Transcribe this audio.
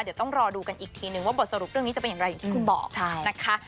เดี๋ยวต้องรอดูกันอีกทีนึงว่าบทสรุปเรื่องนี้จะเป็นอย่างไรอย่างที่คุณบอกนะคะ